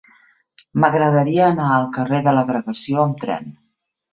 M'agradaria anar al carrer de l'Agregació amb tren.